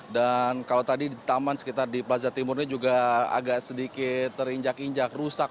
dan kalau tadi taman sekitar di plaza timurnya juga agak sedikit terinjak injak rusak